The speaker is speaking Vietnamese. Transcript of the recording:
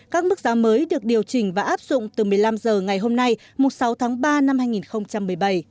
các mức giá mới được điều chỉnh và áp dụng từ một mươi năm h ngày hôm nay sáu tháng ba năm hai nghìn một mươi bảy